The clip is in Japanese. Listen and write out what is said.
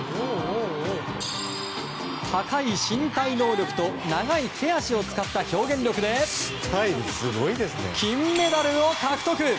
高い身体能力と長い手足を使った表現力で金メダルを獲得。